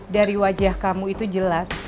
dari wajah kamu itu jelas